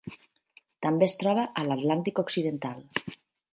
També es troba a l'Atlàntic Occidental.